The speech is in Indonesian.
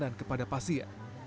dan kemudian kembali ke pasien